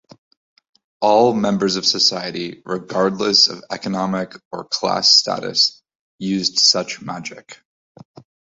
All members of society, regardless of economic or class status, used such magic.